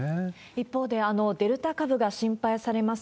一方で、デルタ株が心配されます。